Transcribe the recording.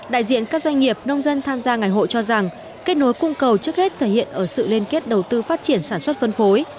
đại diện các doanh nghiệp nông dân tham gia ngày hội cho rằng kết nối cung cầu trước hết thể hiện ở sự liên kết đầu tư phát triển sản xuất phân phối